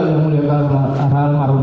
dia ke arah almarhum